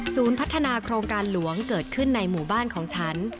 พัฒนาโครงการหลวงเกิดขึ้นในหมู่บ้านของฉัน